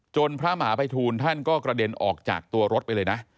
พระมหาภัยทูลท่านก็กระเด็นออกจากตัวรถไปเลยนะ